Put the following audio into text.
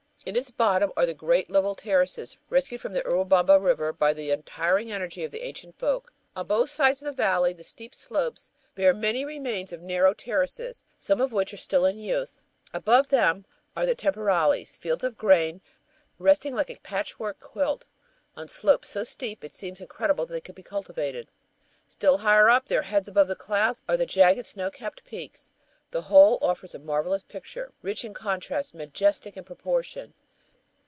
In its bottom are great level terraces rescued from the Urubamba River by the untiring energy of the ancient folk. On both sides of the valley the steep slopes bear many remains of narrow terraces, some of which are still in use. Above them are "temporales," fields of grain, resting like a patch work quilt on slopes so steep it seems incredible they could be cultivated. Still higher up, their heads above the clouds, are the jagged snow capped peaks. The whole offers a marvelous picture, rich in contrast, majestic in proportion.